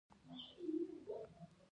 موږ به د کندهار په لاره میله وکولای شو؟